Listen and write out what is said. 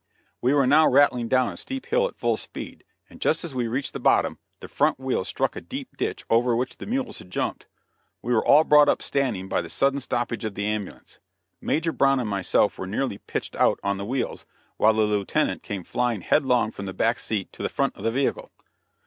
We were now rattling down a steep hill at full speed, and just as we reached the bottom, the front wheels struck a deep ditch over which the mules had jumped. We were all brought up standing by the sudden stoppage of the ambulance. Major Brown and myself were nearly pitched out on the wheels, while the Lieutenant came flying headlong from the back seat to the front of the vehicle.